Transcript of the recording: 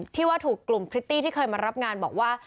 ที่ว่าถูกกลุ่มพริตตี้ที่เคยมารับงานบอกว่า